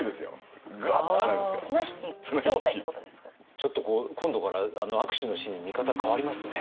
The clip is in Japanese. ちょっと今度からあの握手のシーンの見方変わりますね。